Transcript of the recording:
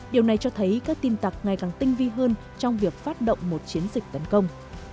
điều này cho thấy các tin tặc ngày càng tinh vi hơn trong việc phát động một chiến dịch tấn công